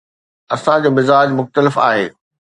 اسان جو مزاج مختلف آهي.